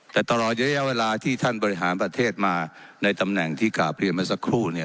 แต่ตลอดระยะเวลาที่ท่านบริหารประเทศมาในตำแหน่งที่กราบเรียนมาสักครู่เนี่ย